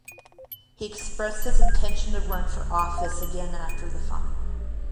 He expressed his intention to run for office again after the fine.